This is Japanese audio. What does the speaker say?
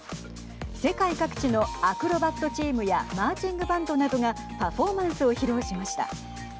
世界各地のアクロバットチームやマーチングバンドなどがパフォーマンスを披露しました。